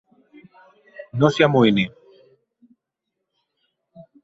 No s'hi amoïni.